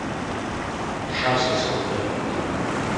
Houses were burned.